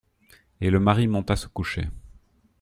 Et le mari monta se coucher.